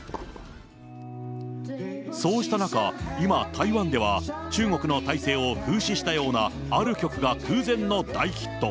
そうした中、今、台湾では中国の体制を風刺したようなある曲が空前の大ヒット。